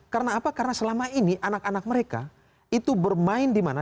karena apa karena selama ini anak anak mereka itu bermain di mana